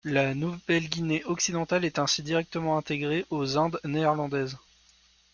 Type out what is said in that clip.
La Nouvelle-Guinée occidentale est ainsi directement intégrée aux Indes néerlandaises.